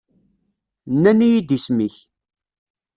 Nnan-iyi-d isem-ik.